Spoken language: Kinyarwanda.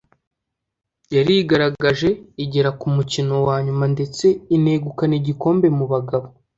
yarigaragaje igera ku mukino wa nyuma ndetse inegukana igikombe mu bagabo